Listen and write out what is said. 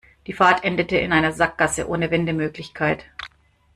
Die Fahrt endete in einer Sackgasse ohne Wendemöglichkeit.